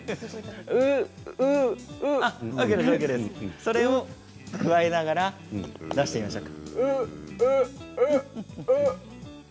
それを加えながら出してみましょうか。